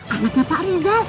anaknya pak rizal